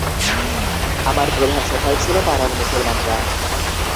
আমার প্রধান সহায় ছিল পাড়ার মুসলমানরা।